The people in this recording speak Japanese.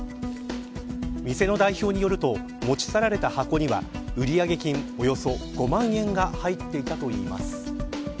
店の代表によると持ち去られた箱には売り上げ金、およそ５万円が入っていたといいます。